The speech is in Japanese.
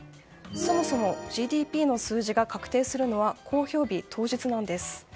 そもそもＧＤＰの数字が確定するのは公表日当日なんです。